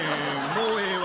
もうええわ。